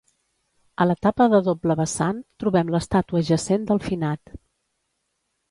A la tapa de doble vessant, trobem l'estàtua jacent del finat.